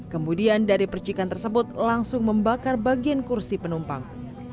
kemudian dari percikan tersebut langsung membakar bagian kursi penumpang